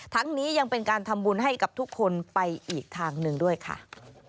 ทั้งนี้ยังเป็นการทำบุญให้กับทุกคนไปอีกทางหนึ่งด้วยค่ะ